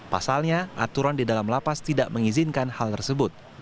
pasalnya aturan di dalam lapas tidak mengizinkan hal tersebut